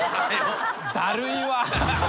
だるいわ。